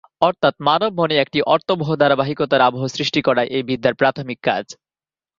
অর্থাৎ মানব মনে একটি অর্থবহ ধারাবাহিকতার আবহ সৃষ্টি করাই এই বিদ্যার প্রাথমিক কাজ।